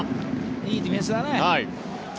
いいディフェンスだね。